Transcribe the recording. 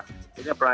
kita berharap lah